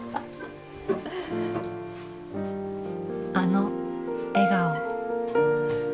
あの笑顔。